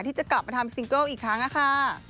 ที่จะกลับมาทำซิงเกิลอีกครั้งค่ะ